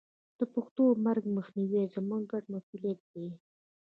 د پښتو د مرګ مخنیوی زموږ ګډ مسوولیت دی.